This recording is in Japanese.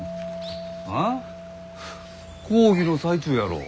あ？講義の最中やろう。